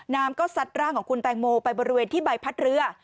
น้ำก็ซัดร่างของคุณแตงโมไปบริเวณที่ใบพัดเรือ